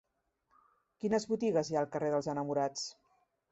Quines botigues hi ha al carrer dels Enamorats?